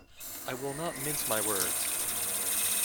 I will not mince my words.